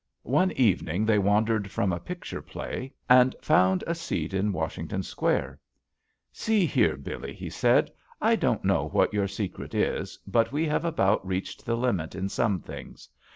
One evening they wandered from a picture play and found a seat in Washington Square. "See here, Billee," he said, "I don't know what your secret is, but we have about reached the limit in some things.